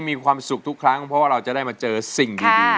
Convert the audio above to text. มีความสุขทุกครั้งเพราะว่าเราจะได้มาเจอสิ่งดี